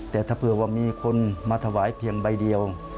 แต่ถ้าเผื่อว่ามีคนมาถวายเพียงใบเดียว